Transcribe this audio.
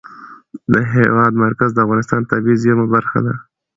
د هېواد مرکز د افغانستان د طبیعي زیرمو برخه ده.